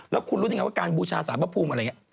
แล้วคุณรู้ยังไงว่าการบูชาสารพระภูมิอะไรอย่างนี้